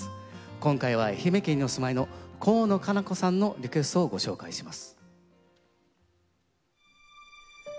今回は愛媛県にお住まいの河野加奈子さんのリクエストをご紹介します。